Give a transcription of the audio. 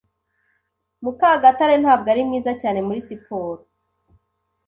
Mukagatare ntabwo ari mwiza cyane muri siporo.